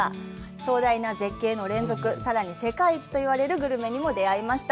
壮大な絶景の連続、さらに世界一と言われるグルメにも出会いました。